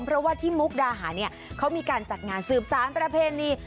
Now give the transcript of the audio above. เพราะว่าที่มุกดาหารเนี่ยเขามีการจัดงานสืบสารประเพณี